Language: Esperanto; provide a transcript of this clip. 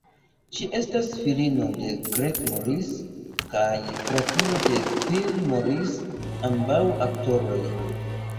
Ŝi estas filino de Greg Morris kaj fratino de Phil Morris, ambaŭ aktoroj.